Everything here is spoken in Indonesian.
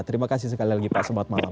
terima kasih sekali lagi pak selamat malam